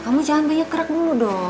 kamu jangan banyak gerak dulu dong